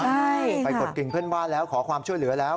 ใช่ไปกดกิ่งเพื่อนบ้านแล้วขอความช่วยเหลือแล้ว